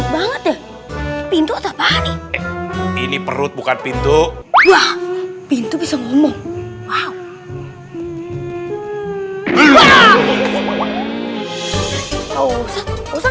banget ya pintu apaan ini perut bukan pintu pintu bisa ngomong